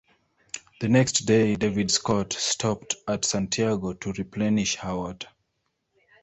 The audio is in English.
The next day "David Scott" stopped at Santiago to replenish her water.